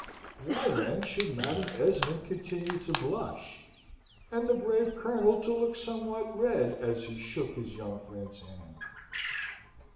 Why then should Madam Esmond continue to blush, and the brave Colonel to look somewhat red, as he shook his young friend's hand?